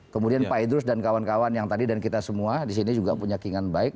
kemudian pak idrus dan kawan kawan yang tadi dan kita semua disini juga punya keinginan baik